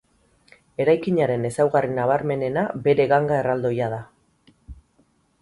Eraikinaren ezaugarri nabarmenena bere ganga erraldoia da.